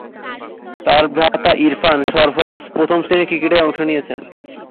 তার ভ্রাতা ইরফান সরফরাজ প্রথম-শ্রেণীর ক্রিকেটে অংশ নিয়েছেন।